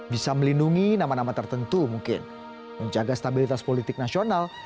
bisa melindungi nama nama tertentu mungkin menjaga stabilitas politik nasional